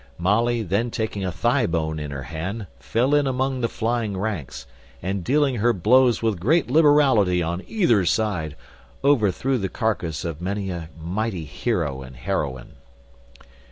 Molly then taking a thigh bone in her hand, fell in among the flying ranks, and dealing her blows with great liberality on either side, overthrew the carcass of many a mighty heroe and heroine.